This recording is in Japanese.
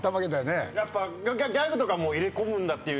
やっぱギャグとかも入れ込むんだっていう。